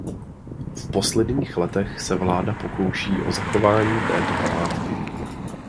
V posledních letech se vláda pokouší o zachování této památky.